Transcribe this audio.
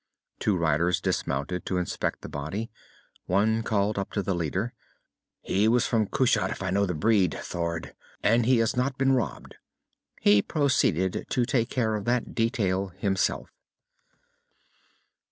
Two riders dismounted to inspect the body. One called up to the leader, "He was from Kushat, if I know the breed, Thord! And he has not been robbed." He proceeded to take care of that detail himself.